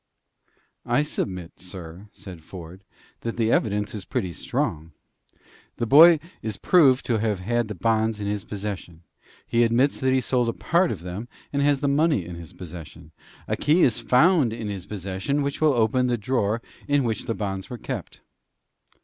"I submit, sir," said Ford, "that the evidence is pretty strong. The boy is proved to have had the bonds in his possession, he admits that he sold a part of them and has the money in his possession, and a key is found in his possession which will open the drawer in which the bonds were kept."